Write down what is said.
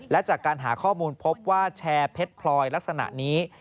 และจากการหาข้อมูลพบว่าแชร์เพชรพลอยลักษณะนี้